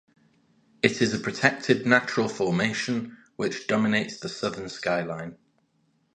It is a protected natural formation which dominates the southern sky-line.